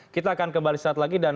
kita akan kembali saat lagi